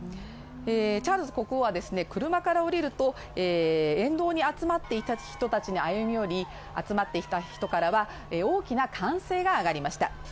チャールズ国王は車から降りると沿道に集まっていた人たちに歩み寄り集まっていた人からは大きな歓声が上がりました。